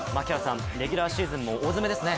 レギュラーシーズンも大詰めですね。